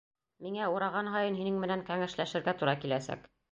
Миңә ураған һайын һинең менән кәңәшләшергә тура киләсәк.